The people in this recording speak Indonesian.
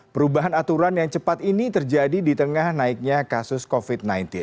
perubahan aturan yang cepat ini terjadi di tengah naiknya kasus covid sembilan belas